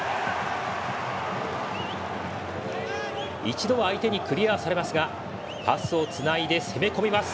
一度は相手にクリアされますがパスをつないで攻め込みます。